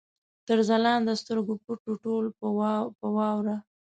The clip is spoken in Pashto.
تر ځلانده سترګو پټ وو، ټول په واوره